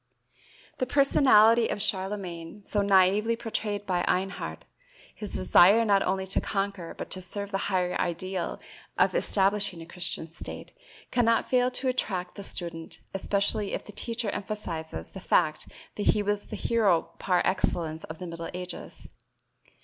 The personality of Charlemagne, so naïvely portrayed by Einhard, his desire not only to conquer but to serve the higher ideal of establishing a Christian state, cannot fail to attract the student, especially if the teacher emphasizes the fact that he was the hero par excellence of the middle ages.